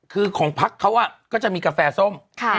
คือของพักเขาก็จะมีกาแฟส้ม